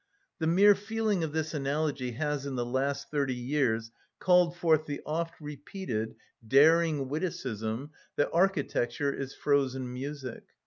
The mere feeling of this analogy has in the last thirty years called forth the oft‐repeated, daring witticism, that architecture is frozen music.